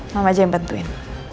mama aja yang bantuin